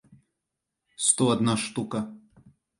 сто одна штука